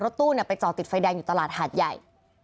ตู้ไปจอดติดไฟแดงอยู่ตลาดหาดใหญ่